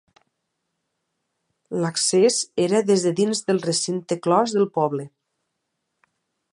L'accés era des de dins del recinte clos del poble.